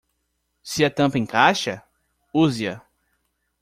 Se a tampa encaixa?, use-a.